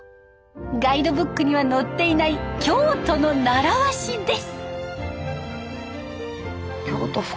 ガイドブックには載っていない京都の習わしです。